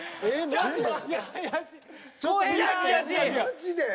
マジで？